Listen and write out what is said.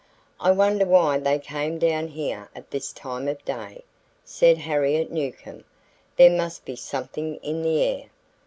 "I wonder why they came down here at this time of day?" said Harriet Newcomb. "There must be something in the air."